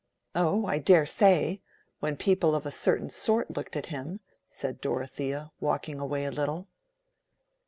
"Oh, I dare say! when people of a certain sort looked at him," said Dorothea, walking away a little.